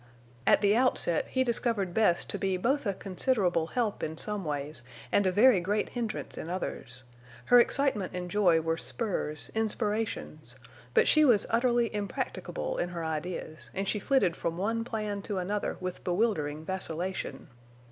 At the outset he discovered Bess to be both a considerable help in some ways and a very great hindrance in others. Her excitement and joy were spurs, inspirations; but she was utterly impracticable in her ideas, and she flitted from one plan to another with bewildering vacillation.